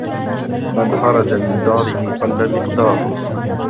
من خرج من داره قلّ مِقداره.